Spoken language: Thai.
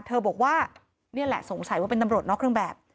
บอกว่านี่แหละสงสัยว่าเป็นตำรวจนอกเครื่องแบบ